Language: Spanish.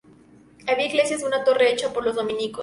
Había iglesia de una torre, hecha por los dominicos.